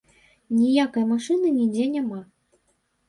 Ніякай машыны нідзе няма.